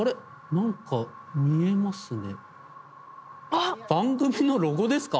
何か見えますね。